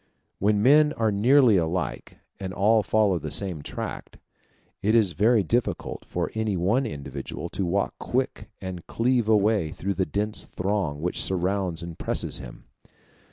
When men are nearly alike, and all follow the same track, it is very difficult for any one individual to walk quick and cleave a way through the dense throng which surrounds and presses him.